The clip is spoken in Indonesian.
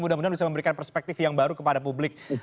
mudah mudahan bisa memberikan perspektif yang baru kepada publik